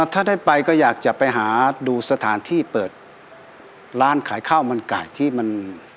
ถ้าได้ไปก็อยากจะไปหาดูสถานที่เปิดร้านขายข้าวมันไก่ที่มัน